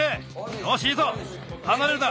よしいいぞ。はなれるな。